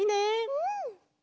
うん！